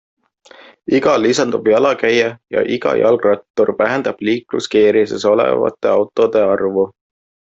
Iga lisanduv jalakäija ja iga jalgrattur vähendab liikluskeerises olevate autode arvu.